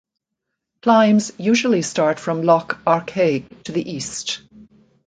Climbs usually start from Loch Arkaig to the east.